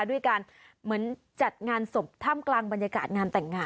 ด้วยการเหมือนจัดงานศพท่ามกลางบรรยากาศงานแต่งงาน